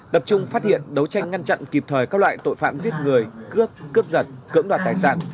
tập trung phát hiện đấu tranh ngăn chặn kịp thời các loại tội phạm giết người cướp cướp giật cướp đoạt tài sản